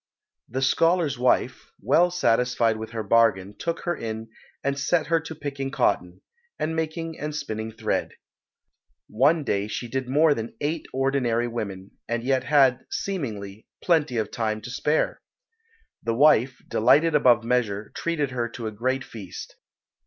The scholar's wife, well satisfied with her bargain, took her in and set her to picking cotton, and making and spinning thread. In one day she did more than eight ordinary women, and yet had, seemingly, plenty of time to spare. The wife, delighted above measure, treated her to a great feast.